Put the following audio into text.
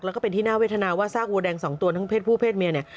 แล้วก็เป็นที่น่าเวทนาว่าซากวัวแดงสองตัวทั้งเพศผู้เพศเมียเนี่ย